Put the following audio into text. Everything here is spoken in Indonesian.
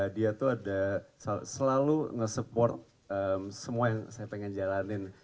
dia tuh ada selalu nge support semua yang saya pengen jalanin